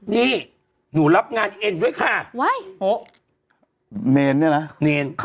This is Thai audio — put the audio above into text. นี่หนูรับงานเอ็นด้วยค่ะเนรเนี่ยนะเนร